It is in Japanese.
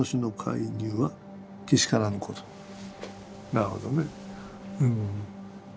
なるほどね。